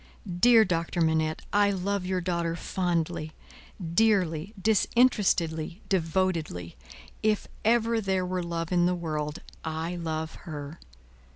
Dear Doctor Manette, I love your daughter fondly, dearly, disinterestedly, devotedly. If ever there were love in the world, I love her.